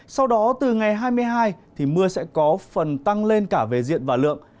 sau đó từ ngày hai mươi hai thì mưa sẽ có phần tăng lên cả về diện và lượng